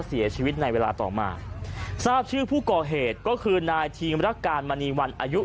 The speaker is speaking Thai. เสียชีวิตในเวลาต่อมาทราบชื่อผู้ก่อเหตุก็คือนายทีมรักการมณีวันอายุ